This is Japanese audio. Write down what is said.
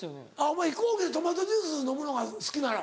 お前飛行機でトマトジュース飲むのが好きなの？